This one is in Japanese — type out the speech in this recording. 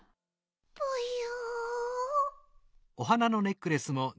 ぽよ。